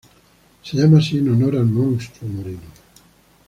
Se llama así en honor al monstruo marino.